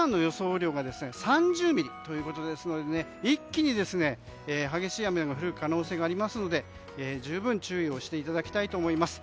雨量が３０ミリということですので一気に激しい雨が降る可能性がありますので十分注意していただきたいと思います。